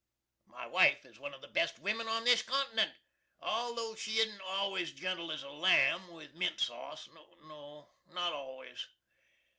My wife is one of the best wimin on this continent, altho' she isn't always gentle as a lamb, with mint sauce. No, not always.